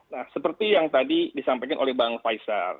nah seperti yang tadi disampaikan oleh bang faisal